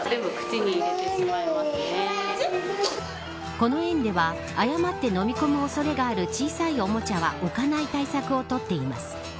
この園では誤ってのみ込む恐れがある小さいおもちゃは置かない対策を取っています。